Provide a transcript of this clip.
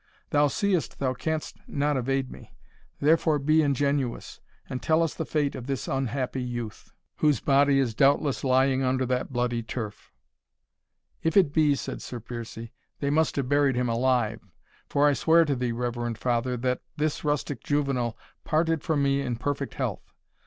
thou seest thou canst not evade me; therefore be ingenuous, and tell us the fate of this unhappy youth, whose body is doubtless lying under that bloody turf." "If it be," said Sir Piercie, "they must have buried him alive; for I swear to thee, reverend father, that this rustic juvenal parted from me in perfect health.